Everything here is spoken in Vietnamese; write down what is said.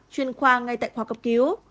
chuyên khoa ngay tại khoa cấp cứu